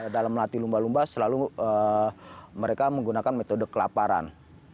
dalam melatih lumba lumba selalu mereka menggunakan metode kelaparan